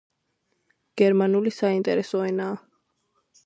გერმანული საინტერესო ენაა